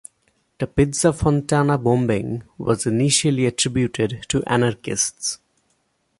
The Piazza Fontana bombing was initially attributed to anarchists.